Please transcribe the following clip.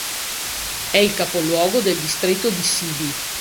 È il capoluogo del Distretto di Sibi.